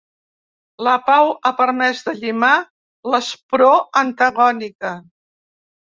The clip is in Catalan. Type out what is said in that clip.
La pau ha permès de llimar l’aspror antagònica.